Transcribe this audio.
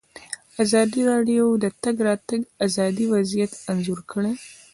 ازادي راډیو د د تګ راتګ ازادي وضعیت انځور کړی.